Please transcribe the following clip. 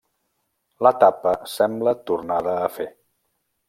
La tapa sembla tornada a fer.